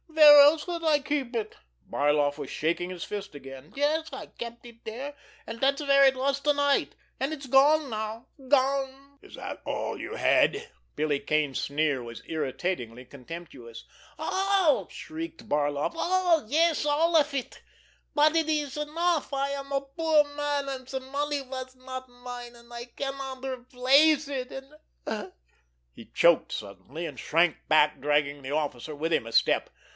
"Where else would I keep it?" Barloff was shaking his fist again. "Yes, I kept it there! And that's where it was to night—and it's gone now—gone!" "Is that all you had?" Billy Kane's sneer was irritatingly contemptuous. "All!" shrieked Barloff. "All—yes, it is all! But it is enough! I am a poor man, and the money was not mine, and I cannot replace it, and——" He choked suddenly, and shrank back, dragging the officer with him a step.